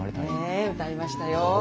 ええ歌いましたよ。